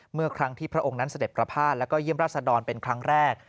เมื่อครั้งที่พระองค์นั้นเสด็จประพาทแล้วก็เยี่ยมราชดรเป็นครั้งแรก